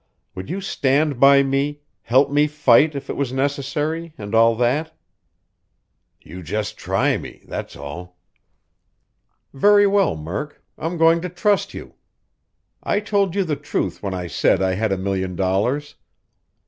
Would you stand by me, help me fight if it was necessary, and all that?" "You just try me that's all." "Very well, Murk, I'm going to trust you. I told you the truth when I said I had a million dollars.